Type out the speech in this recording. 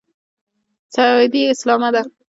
سعودي اسلامه دی.